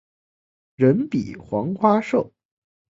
人比黄花瘦